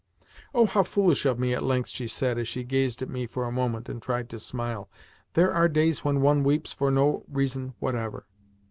"Oh, how foolish of me!" at length she said, as she gazed at me for a moment and tried to smile. "There are days when one weeps for no reason whatever."